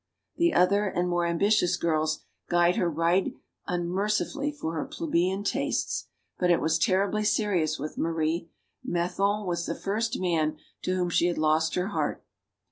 The other and more ambitious girls guyed her right unmercifully for her plebeian tastes. But it was terribly serious with Marie. Mathon was the first man to whom she had lost her heart.